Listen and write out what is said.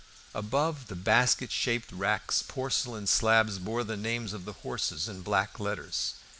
Above the basket shaped racks porcelain slabs bore the names of the horses in black letters.